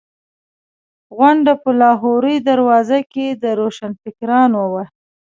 غونډه په لاهوري دروازه کې د روشنفکرانو وه.